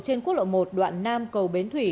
trên quốc lộ một đoạn nam cầu bến thủy